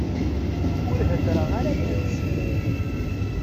Ur hedṛeɣ ara tarusit.